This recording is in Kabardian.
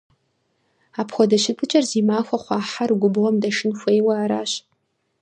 Апхуэдэ щытыкӀэр зи махуэ хъуа хьэр губгъуэм дэшын хуейуэ аращ.